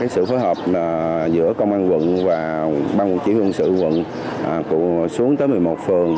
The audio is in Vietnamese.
sự phối hợp giữa công an quận và bang chỉ huyện sự quận xuống tới một mươi một phường